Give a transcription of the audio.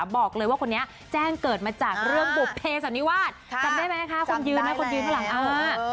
บอกเลยว่าคนนี้แจ้งเกิดมาจากเรื่องบุภเพสันนิวาสจำได้ไหมคะคนยืนนะคนยืนข้างหลังเออ